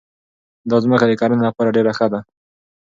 دا ځمکه د کرنې لپاره ډېره ښه ده.